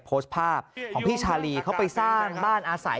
โพสต์ภาพของพี่ชาลีเขาไปสร้างบ้านอาศัย